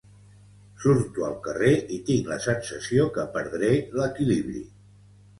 Surto al carrer i tinc la sensació que perdré l'equilibri